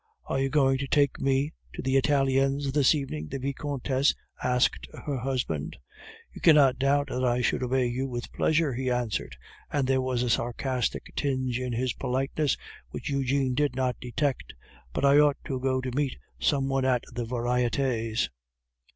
"Are you going to take me to the Italiens this evening?" the Vicomtesse asked her husband. "You cannot doubt that I should obey you with pleasure," he answered, and there was a sarcastic tinge in his politeness which Eugene did not detect, "but I ought to go to meet some one at the Varietes."